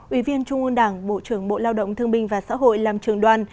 ủy viên trung ương đảng bộ trưởng bộ lao động thương binh và xã hội làm trường đoàn